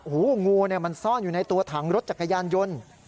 งูมันซ่อนอยู่ในตัวถังรถจักรยานยนต์